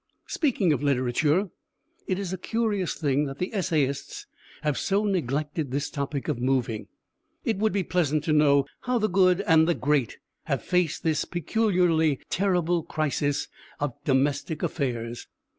Speaking of literature, it is a curious thing that the essayists have so neglected this topic of moving. It would be pleasant to know how the good and the great have faced this peculiarly terrible crisis of domestic affairs.